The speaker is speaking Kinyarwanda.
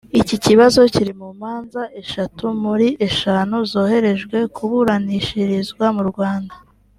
iki kibazo kiri mu manza eshatu muri eshanu zoherejwe kuburanishirizwa mu Rwanda